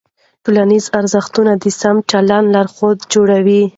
ټولنیز ارزښتونه د سم چلند لارښود جوړوي.